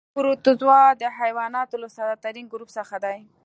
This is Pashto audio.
پروتوزوا د حیواناتو له ساده ترین ګروپ څخه دي.